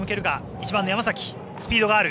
１番の山崎スピードがある。